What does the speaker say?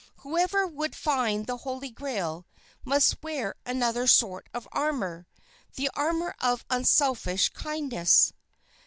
Whoever would find the Holy Grail must wear another sort of armor the armor of unselfish kindness."